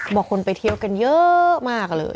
บอกคนไปเที่ยวกันเยอะมากเลย